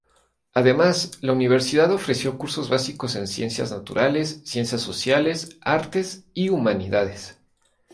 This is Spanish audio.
Además, la universidad ofreció cursos básicos en ciencias naturales, ciencias sociales, artes y humanidades.